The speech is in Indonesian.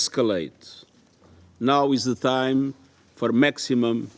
sekarang adalah waktu untuk kekurangan maksimum